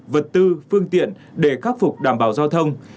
vật tư phương tiện để khắc phục đảm bảo giao thông